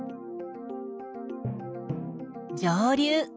上流。